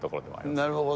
なるほど。